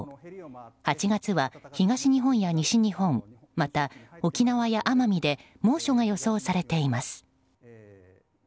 ８月は、東日本や西日本また沖縄や奄美で猛暑が予想されています。